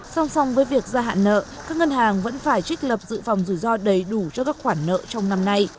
song song với việc gia hạn nợ các ngân hàng vẫn phải trích lập dự phòng rủi ro đầy đủ cho các khoản nợ trong năm nay